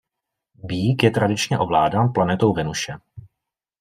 Býk je tradičně ovládán planetou Venuše.